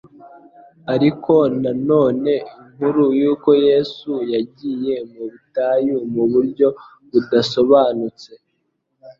Ariko na none inkuru yuko Yesu yagiye mu butayu mu buryo budasobanutse